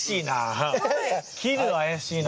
切るは怪しいな。